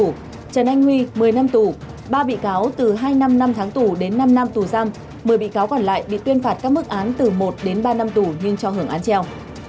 trần anh huy một mươi năm tù ba bị cáo từ hai năm năm tháng tù đến năm năm tù giam một mươi bị cáo còn lại bị tuyên phạt các mức án từ một đến ba năm tù nhưng cho hưởng án treo